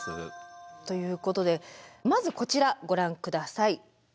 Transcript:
ということでまずこちらご覧下さい。